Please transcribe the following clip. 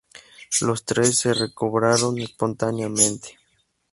Los tres se recobraron espontáneamente.